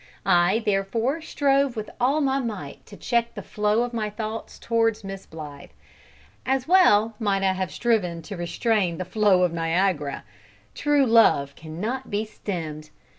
I therefore strove with all my might to check the flow of my thoughts towards Miss Blythe. As well might I have striven to restrain the flow of Niagara. True love cannot be stemmed!